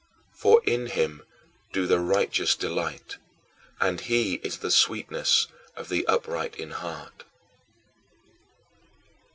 For in him do the righteous delight and he is the sweetness of the upright in heart.